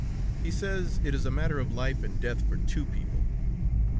He says it is a matter of life and death for two people.